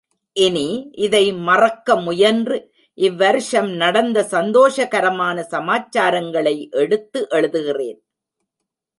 இனி, இதை மறக்க முயன்று இவ்வருஷம் நடந்த சந்தோஷகரமான சமாச்சாரங்களை எடுத்து எழுதுகிறேன்.